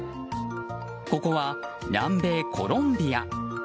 ここは南米コロンビア。